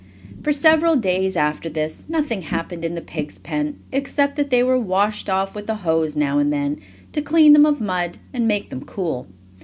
For several days after this nothing happened in the pigs' pen except that they were washed off with the hose now and then, to clean them of mud and make them cool.